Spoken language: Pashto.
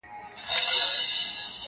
قام ته د منظور پښتین ویاړلې ابۍ څه وايي -